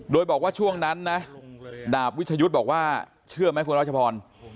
โดยบอกว่าช่วงนั้นนะดาบวิชยุทธ์บอกว่าเชื่อไหมคุณรัชพร